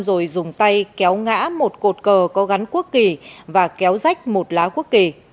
rồi dùng tay kéo ngã một cột cờ có gắn quốc kỳ và kéo rách một lá quốc kỳ